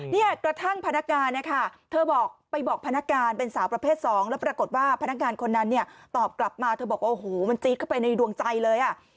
เนี่ยกระทั่งพนักการนะคะเธอบอกไปบอกพนักงานเป็นสาวประเภทสองแล้วปรากฏว่าพนักงานคนนั้นเนี่ยตอบกลับมาเธอบอกว่าโอ้โหมันจี๊ดเข้าไปในดวงใจเลยอ่ะ